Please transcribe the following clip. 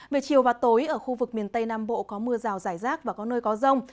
về chiều và tối ở khu vực miền tây nam bộ có mưa rào rải rác và có nơi có rông